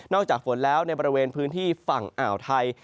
จากฝนแล้วในบริเวณพื้นที่ฝั่งอ่าวไทย